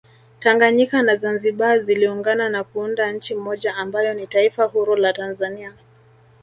Tanganyika na zanzibar ziliungana na kuunda nchi moja ambayo ni taifa huru la Tanzania